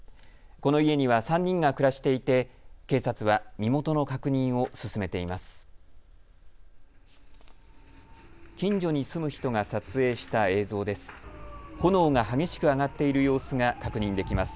この家には３人が暮らしていて警察は身元の確認を進めています。